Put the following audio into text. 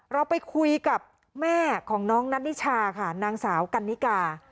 เราไปคุยกับแม่ของน้องนัทนิชาค่ะนางสาวกันนิกา